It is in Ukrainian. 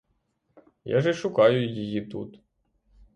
Я ж і шукаю її тут!